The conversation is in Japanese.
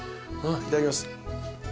いただきます。